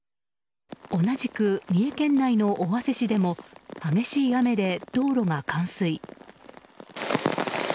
同じく三重県内の尾鷲市でも激しい雨で道路が冠水。